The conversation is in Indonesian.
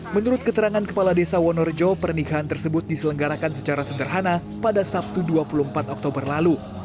menurut keterangan kepala desa wonorejo pernikahan tersebut diselenggarakan secara sederhana pada sabtu dua puluh empat oktober lalu